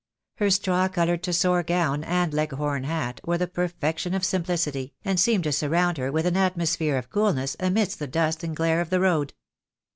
Her straw coloured tussore gown and leghorn hat were the perfection of simplicity, and seemed to surround her with an atmosphere of coolness amidst the dust and glare of the road.